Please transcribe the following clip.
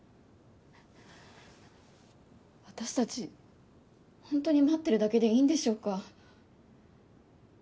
私たち本当に待ってるだけでいいんでしょうか。